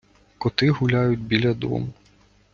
Коти гуляють біля дому